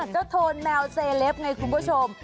โทนแมวเซเลปไงคุณผู้ชม